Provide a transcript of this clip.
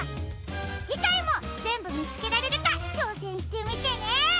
じかいもぜんぶみつけられるかちょうせんしてみてね！